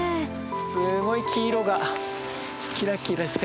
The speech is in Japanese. すごい黄色がキラキラして。